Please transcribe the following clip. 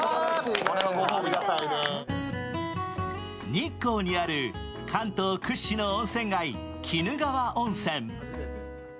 日光にある関東屈指の温泉街鬼怒川温泉。